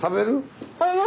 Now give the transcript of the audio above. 食べる？